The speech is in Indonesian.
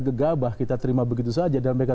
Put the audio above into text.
gegabah kita terima begitu saja dan mereka